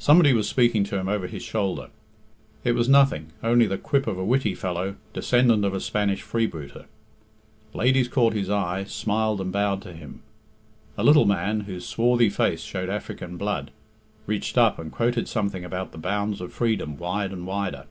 Somebody was speaking to him over his shoulder. It was nothing only the quip of a witty fellow, descendant of a Spanish freebooter. Ladies caught his eye, smiled and bowed to him. A little man, whose swarthy face showed African blood, reached up and quoted something about the bounds of freedom wide and wider.